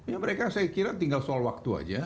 ya mereka saya kira tinggal soal waktu aja